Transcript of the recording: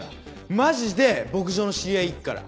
マジで牧場の知り合いいっから！